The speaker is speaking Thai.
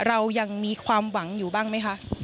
เรายังมีความหวังอยู่บ้างไหมคะ